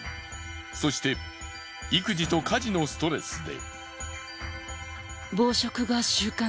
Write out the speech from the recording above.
そして育児と家事のストレスで。